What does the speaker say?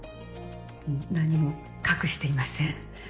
何も隠していません。